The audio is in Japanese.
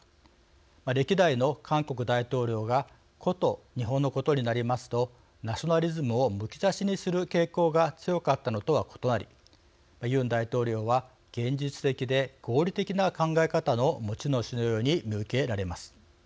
歴代の韓国大統領がこと日本のことになりますとナショナリズムをむき出しにする傾向が強かったのとは異なりユン大統領は現実的で合理的な考え方の持ち主のように見受けられます。